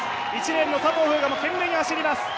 １レーンの佐藤風雅も懸命に走ります。